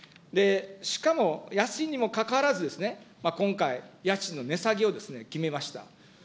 しかも安いにもかかわらず、今回、家賃の値下げをですね、決めました。